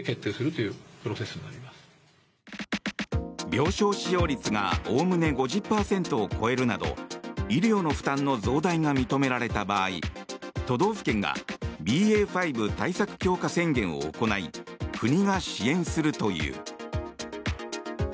病床使用率がおおむね５０％を超えるなど医療の負担の増大が認められた場合都道府県がＢＡ．５対策強化宣言を行い国が支援するという。